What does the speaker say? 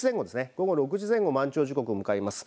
午後６時前後、満潮時刻を迎えます。